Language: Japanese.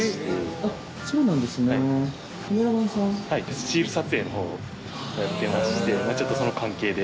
スチール撮影の方をやってましてちょっと、その関係で。